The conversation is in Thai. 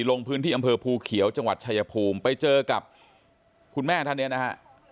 ลงพื้นที่อำเภอภูเขียวจังหวัดชายภูมิไปเจอกับคุณแม่ท่านเนี่ยนะฮะ